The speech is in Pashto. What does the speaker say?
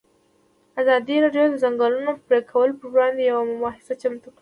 ازادي راډیو د د ځنګلونو پرېکول پر وړاندې یوه مباحثه چمتو کړې.